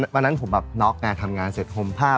วันนั้นผมแบบน็อกไงทำงานเสร็จห่มผ้า